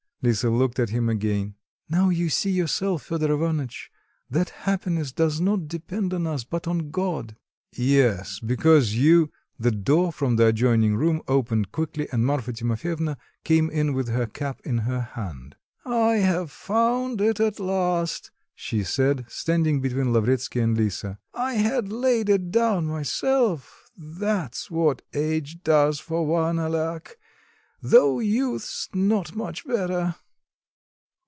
Lisa looked at him again. "Now you see yourself, Fedor Ivanitch, that happiness does not depend on us, but on God." "Yes, because you " The door from the adjoining room opened quickly and Marfa Timofyevna came in with her cap in her hand. "I have found it at last," she said, standing between Lavretsky and Lisa; "I had laid it down myself. That's what age does for one, alack though youth's not much better."